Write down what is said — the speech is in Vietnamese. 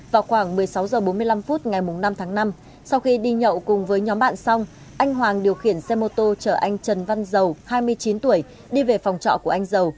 vào khoảng một mươi sáu h bốn mươi năm phút ngày năm tháng năm sau khi đi nhậu cùng với nhóm bạn xong anh hoàng điều khiển xe mô tô chở anh trần văn dầu hai mươi chín tuổi đi về phòng trọ của anh dầu